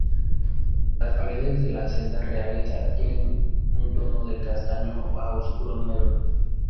Las paredes de las celdas reales adquieren un tono de castaño a oscuro negro.